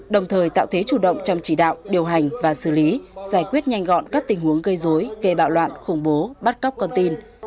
đồng thời tạo thế chủ động trong chỉ đạo điều hành và xử lý giải quyết nhanh gọn các tình huống gây dối gây bạo loạn khủng bố bắt cóc con tin